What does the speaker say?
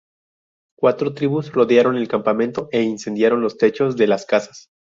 Cuatro tribus rodearon el campamento e incendiaron los techos de las casas.